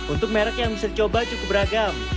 untuk merek yang bisa dicoba cukup beragam